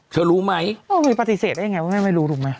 เธอรู้มั้ยเขามีปฏิเสธไว้ยังไงเขาแม่ไม่รู้ถูกมั้ย